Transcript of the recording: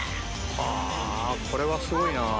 「ああこれはすごいな」